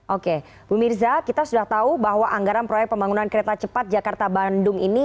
oke bu mirza kita sudah tahu bahwa anggaran proyek pembangunan kereta cepat jakarta bandung ini